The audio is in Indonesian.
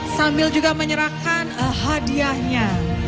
sambil juga menyerahkan hadiahnya